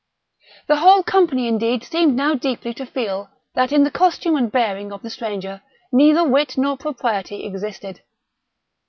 The whole company, indeed, seemed now deeply to feel that in the costume and bearing of the stranger neither wit nor propriety existed.